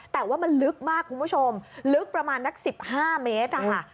แต่ว่ามันลึกมากคุณผู้ชมลึกประมาณนัก๑๕เมตรนะคะ